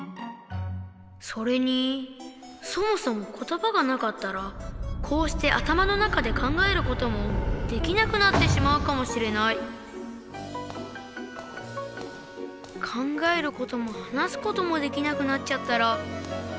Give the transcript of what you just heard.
それにそもそも言葉がなかったらこうして頭の中で考えることもできなくなってしまうかもしれない考えることも話すこともできなくなっちゃったら。